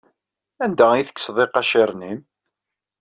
Anda ay tekkseḍ iqaciren-nnem?